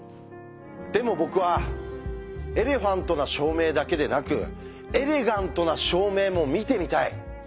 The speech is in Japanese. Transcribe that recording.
でも僕は「エレファント」な証明だけでなく「エレガント」な証明も見てみたい。